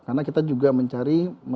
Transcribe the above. karena kita juga mencari